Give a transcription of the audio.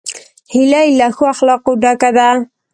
هیلۍ له ښو اخلاقو ډکه ده